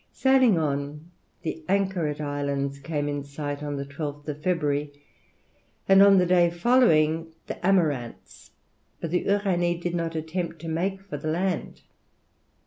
Sailing on, the Anchoret Islands came in sight on the 12th of February, and on the day following the Amirantes, but the Uranie did not attempt to make for the land.